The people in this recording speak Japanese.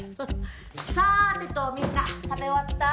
さてとみんな食べ終わった？